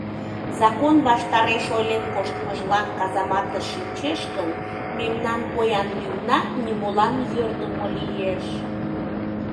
Закон ваштареш ойлен коштмыжлан казаматыш шинчеш гын, мемнан поян лӱмна нимолан йӧрдымӧ лиеш...